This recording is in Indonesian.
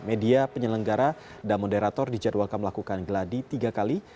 media penyelenggara dan moderator dijadwalkan melakukan geladi tiga kali